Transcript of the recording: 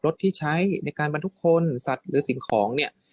รถที่ใช้ในการบรรทุกคนสัตว์หรือสิ่งของเนี่ย